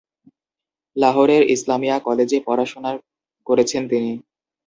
লাহোরের ইসলামিয়া কলেজে পড়াশোনা করেছেন তিনি।